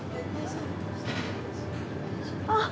あっ！